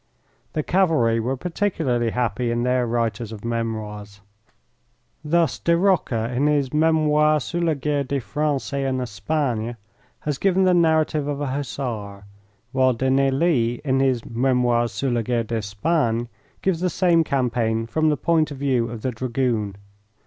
The Cavalry were particularly happy in their writers of memoirs. Thus De Rocca in his "Memoires sur la guerre des Francais en Espagne" has given the narrative of a Hussar, while De Naylies in his "Memoires sur la guerre d'Espagne" gives the same campaigns from the point of view of the Dragoon.